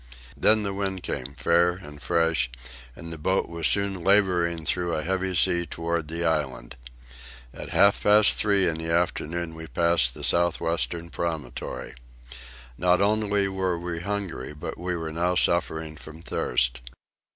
Then the wind came, fair and fresh, and the boat was soon labouring through a heavy sea toward the island. At half past three in the afternoon we passed the south western promontory. Not only were we hungry, but we were now suffering from thirst.